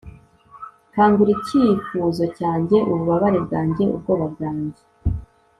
kangura icyifuzo cyanjye, ububabare bwanjye, ubwoba bwanjye